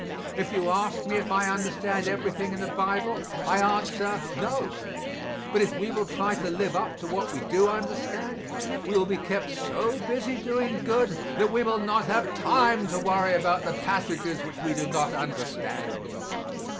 If you ask me if I understand everything in the Bible, I answer, no, but if we will try to live up to what we do understand, we will be kept so busy doing good that we will not have time to worry about the passages which we do not understand.